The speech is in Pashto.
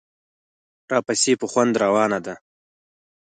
راپسې په خوند روانه ده.